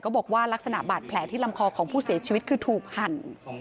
บอกว่าลักษณะบาดแผลที่ลำคอของผู้เสียชีวิตคือถูกหั่น